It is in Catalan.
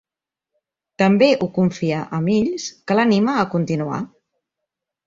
També ho confia a Mills, que l'anima a continuar.